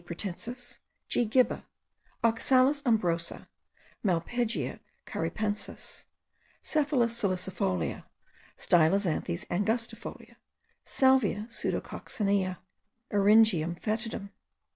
pratensis, G. gibba, Oxalis umbrosa, Malpighia caripensis, Cephaelis salicifolia, Stylosanthes angustifolia, Salvia pseudococcinea, Eryngium foetidum.